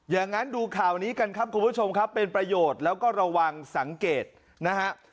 อย่างนั้นดูข่าวนี้กันครับคุณผู้ชมครับเป็นประโยชน์แล้วก็ระวังสังเกตนะฮะ